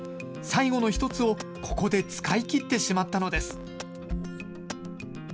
最後の１つをここで使い切ってしまったのです。